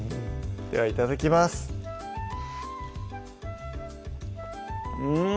じゃあいただきますうん！